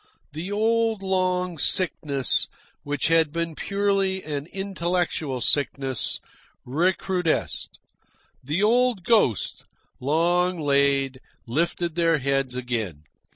The old long sickness, which had been purely an intellectual sickness, recrudesced. The old ghosts, long laid, lifted their heads again.